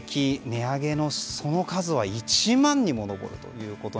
値上げの数は１万品にも上ると。